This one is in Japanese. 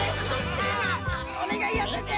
お願い痩せて！